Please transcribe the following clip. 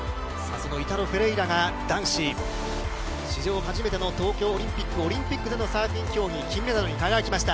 そのイタロ・フェレイラが男子史上初めての東京オリンピック、オリンピックでのサーフィン競技、金メダルに輝きました。